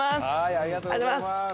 ありがとうございます。